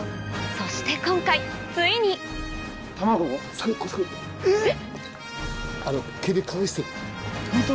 そして今回ついにえっ！